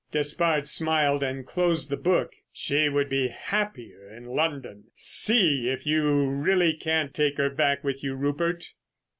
Despard smiled and closed the book. "She would be happier in London. See if you really can't take her back with you, Rupert....